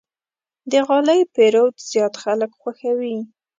د غالۍ پېرود زیات خلک خوښوي.